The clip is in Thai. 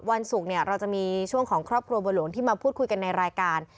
วันศุกร์เนี่ยเราจะมีช่วงของครอบครัวบัวหลวงที่มาพูดคุยกันในรายการ